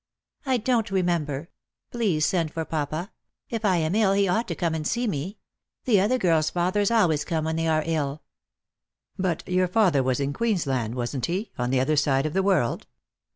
" I don't remember. Please send for papa. If I am ill he ought to come and see me. The other girls' fathers always come when they are ill." " But your father was in Queensland, wasn't he, on the other side of the world